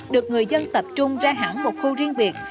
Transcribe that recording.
được người dân tập trung ra hẳn một khu riêng biệt